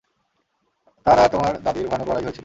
তার আর তোমার দাদীর ভয়ানক লড়াই হয়েছিল।